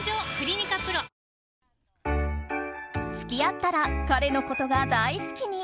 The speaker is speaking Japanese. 付き合ったら彼のことが大好きに。